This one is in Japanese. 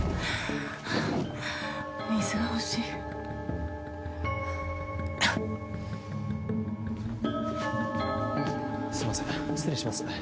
水がほしいすいません失礼します